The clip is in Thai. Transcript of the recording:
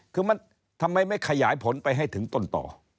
คือมันทำไมไม่ขยายผลไปให้ถึงต้นต่อ